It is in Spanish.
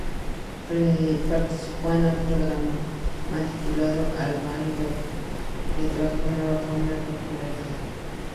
Participó en otro drama titulado "Al Bay Dolphin", le trajo nueva fama y popularidad.